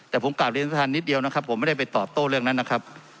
แต่ผมกลับเรียนประธานนิดเดียวนะครับผมไม่ได้ไปตอบโต้เรื่องนั้นนะครับ